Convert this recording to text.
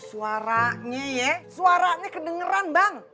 suaranya ya suaranya kedengeran bang